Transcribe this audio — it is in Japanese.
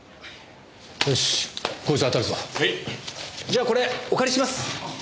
じゃあこれお借りします。